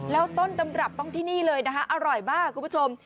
แล้วต้นตำรับต้องที่นี่เลยนะคะอร่อยมากคุณผู้ชม